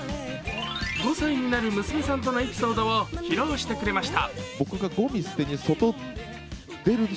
５歳になる娘さんとのエピソードを披露してくれました。